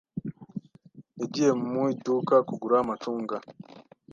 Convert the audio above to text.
Yagiye mu iduka kugura amacunga.